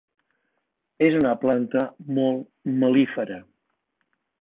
És una planta molt mel·lífera.